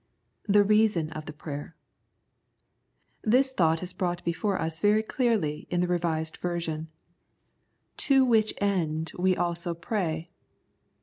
The Reason of the Prayer. This thought is brought before us very clearly in the Revised Version ;" To which 29 The Prayers of St. Paul end we also fray.''